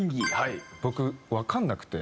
僕わかんなくて。